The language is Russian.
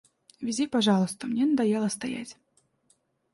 Вези, пожалуйста, мне надоело стоять.